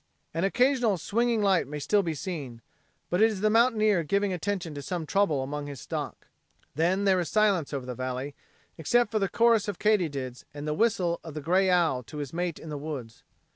An occasional swinging light may still be seen, but it is the mountaineer giving attention to some trouble among his stock. Then, there is silence over the valley, except for the chorus of katydids and the whistle of the gray owl to his mate in the woods.